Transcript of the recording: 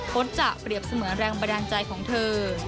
พจน์จะเปรียบเสมือนแรงบันดาลใจของเธอ